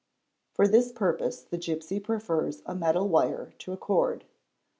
For this purpose the gipsy prefers a metal wire to a cord.